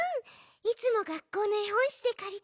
いつも学校のえほんしつでかりてよんでるの。